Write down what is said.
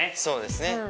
そうですね